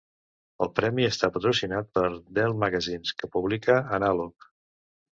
El premi està patrocinat per Dell Magazines, que publica "Analog".